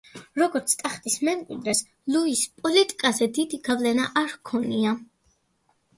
როგორც ტახტის მემკვიდრეს ლუის პოლიტიკაზე დიდი გავლენა არ ჰქონია.